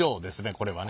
これはね。